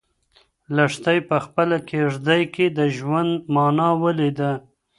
لښتې په خپله کيږدۍ کې د ژوند مانا ولیده.